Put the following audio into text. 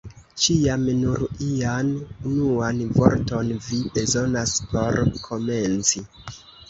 Ĉiam nur ian unuan vorton vi bezonas por komenci!